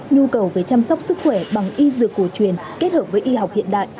nhu cầu về chăm sóc sức khỏe bằng y dược cổ truyền kết hợp với y học hiện đại